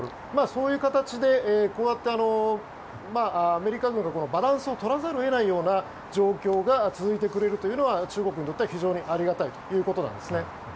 そういう形で、アメリカ軍はバランスを取らざるを得ないような状況が続いてくれるのは中国にとっては非常にありがたいということなんですね。